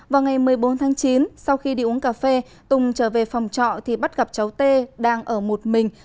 vào ngày một mươi bốn tháng chín sau khi đi uống cà phê tùng trở về phòng trọ thì bắt gặp cháu tê đang ở một mình